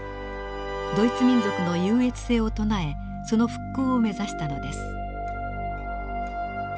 ドイツ民族の優越性を唱えその復興を目指したのです。